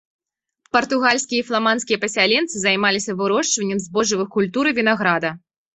Партугальскія і фламандскія пасяленцы займаліся вырошчваннем збожжавых культур і вінаграда.